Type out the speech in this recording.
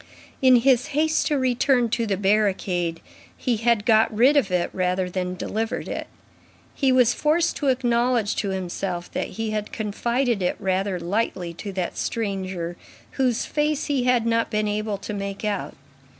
In his haste to return to the barricade, he had got rid of it rather than delivered it. He was forced to acknowledge to himself that he had confided it rather lightly to that stranger whose face he had not been able to make out.